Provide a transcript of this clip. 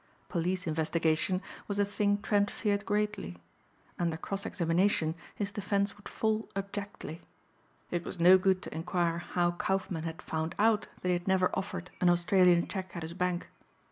Police investigation was a thing Trent feared greatly. Under cross examination his defense would fall abjectly. It was no good to inquire how Kaufmann had found out that he had never offered an Australian check at his bank.